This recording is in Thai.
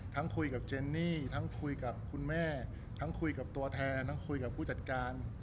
ทั้งคุยกับเจนนี่ทั้งคุยกับคุณแม่ทั้งคุยกับตัวแทนทั้งคุยกับผู้จัดการ